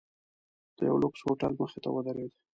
د یوه لوکس هوټل مخې ته ودریده.